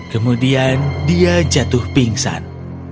kemudian dia jatuh pingsan